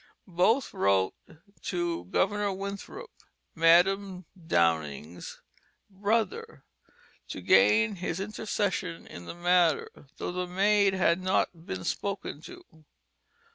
Both wrote to Governor Winthrop, Madam Downing's brother, to gain his intercession in the matter, though the maid had not been spoken to.